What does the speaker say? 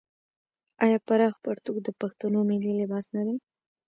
آیا پراخ پرتوګ د پښتنو ملي لباس نه دی؟